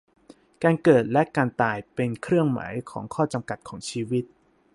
การเกิดและการตายเป็นเครื่องหมายของข้อจำกัดของชีวิต